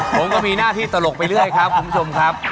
ผมก็มีหน้าที่ตลกไปเรื่อยครับคุณผู้ชมครับ